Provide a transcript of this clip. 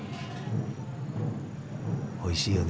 おいしいよね。